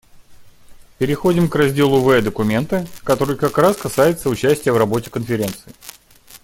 Переходим к разделу В документа, который как раз касается участия в работе Конференции.